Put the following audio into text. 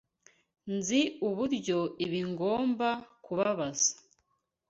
Nzi uburyo ibi bigomba kubabaza.